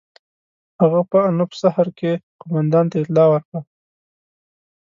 هغه په انوپ سهر کې قوماندان ته اطلاع ورکړه.